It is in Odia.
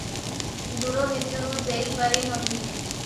ଦୂର ହେତୁରୁ ଯାଇ ପାରୁ ନ ଥିଲେ ।